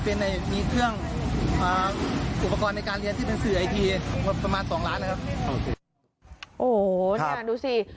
โอ้เสียงดูสิ